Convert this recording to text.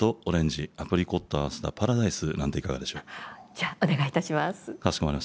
じゃあお願いいたします。